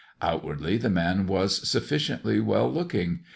Outwardly the man was sufficiently well looking.